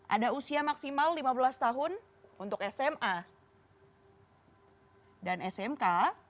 ada usia maksimal lima belas tahun untuk sma dan smk